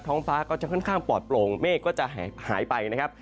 ห้องฟ้าก็จะค่อนข้างปลอดโปร่งเมฆก็จะหายไปนะครับ